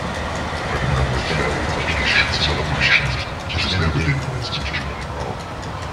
I remember family vacations, celebrations, and just everyday moments of joy and laughter.